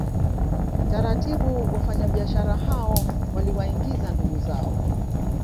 Taratibu wafanyabiashara hao waliwaingiza ndugu zao